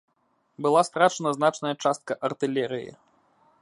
Была страчана значная частка артылерыі.